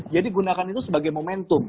jadi gunakan itu sebagai momentum